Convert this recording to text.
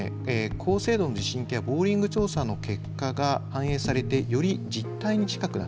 高精度の地震計やボーリング調査の結果が反映されてより実態に近くなっています。